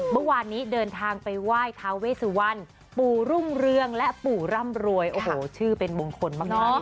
เมื่อวานนี้เดินทางไปไหว้ทาเวสุวรรณปู่รุ่งเรืองและปู่ร่ำรวยโอ้โหชื่อเป็นมงคลมาก